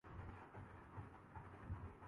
Google کا doodle کے ذریعے نازیہ حسن کو خراج تحسین